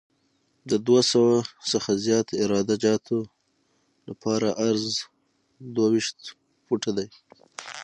د دوه سوه څخه زیات عراده جاتو لپاره عرض دوه ویشت فوټه دی